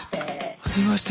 はじめまして。